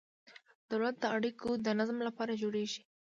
دولت د اړیکو د نظم لپاره جوړیږي.